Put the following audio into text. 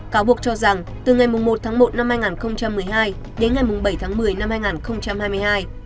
cáo buộc cho rằng từ ngày một một hai nghìn một mươi hai đến ngày bảy một mươi hai nghìn hai mươi hai